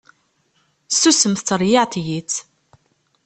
Susem tettreyyiεeḍ-iyi-tt!